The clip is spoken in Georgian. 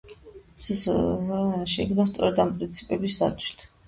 სსგ „საქნაპირდაცვა“ შეიქმნა სწორედ ამ პრინციპების დაცვით.